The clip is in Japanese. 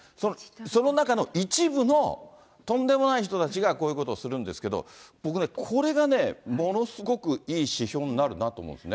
その中の一部のとんでもない人たちがこういうことをするんですけど、僕ね、これがものすごくいい指標になるなと思うんですね。